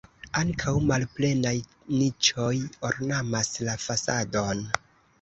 Ankaŭ malplenaj niĉoj ornamas la fasadon.